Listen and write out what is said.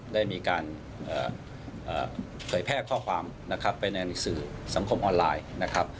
ได้มีการเผยแพร่ข้อความไปในหนักหนักสือสัมคมออนไลน์